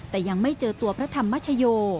แต่ยังไม่เจอตัวพระธรรมชโย